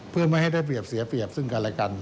เพื่อไม่ให้ได้เปรียบเสียเปรียบซึ่งกันและกัน